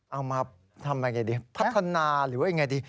เอามาทำยังไงดีพัฒนาหรือว่ายังไงดี